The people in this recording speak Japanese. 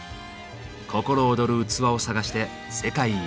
心躍る器を探して世界一周。